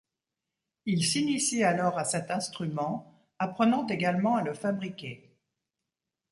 Il s'initie alors à cet instrument, apprenant également à le fabriquer.